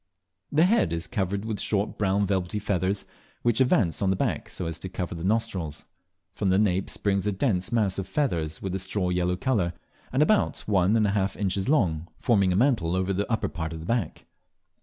The head is covered with short brown velvety feathers, which advance on the back so as to cover the nostrils. From the nape springs a dense mass of feathers of a straw yellow colour, and about one and a half inches long, forming a mantle over the upper part of the back.